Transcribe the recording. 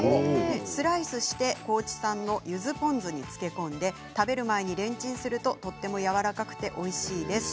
スライスして高知産のゆずポン酢に漬け込んで食べる前にレンチンすると、とてもやわらかくておいしいです。